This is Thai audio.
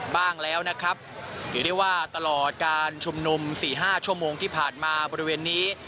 บ้างแล้วนะครับถือได้ว่าตลอดการชุมนุมสี่ห้าชั่วโมงที่ผ่านมาบริเวณนี้